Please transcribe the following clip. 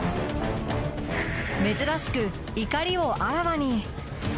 珍しく怒りをあらわに。